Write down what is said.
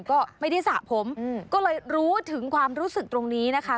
ก็ไม่ได้สระผมก็เลยรู้ถึงความรู้สึกตรงนี้นะคะ